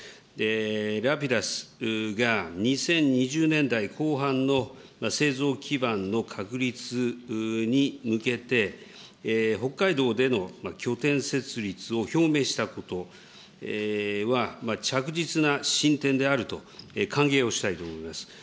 ラピダスが２０２０年代後半の製造基盤の確立に向けて、北海道での拠点設立を表明したことは、着実な進展であると歓迎をしたいと思います。